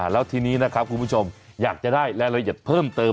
แล้วทีนี้นะครับคุณผู้ชมอยากจะได้รายละเอียดเพิ่มเติม